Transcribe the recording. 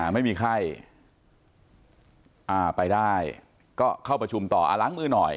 ไม่มีไข้ไปได้ก็เข้าประชุมต่อล้างมือหน่อย